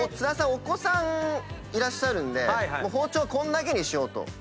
お子さんいらっしゃるんで包丁こんだけにしようと。